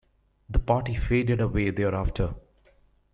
The party faded away thereafter.